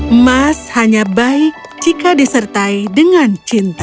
emas hanya baik jika disertai dengan cinta